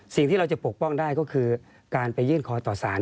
สิ่งที่เราจะปกป้องได้ก็คือการไปยื่นคอต่อสาร